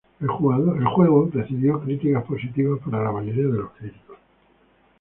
El juego recibió críticas positivas por la mayoría de los críticos.